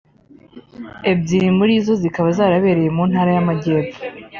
ebyiri muri zo zikaba zarabereye mu ntara y’Amajyepfo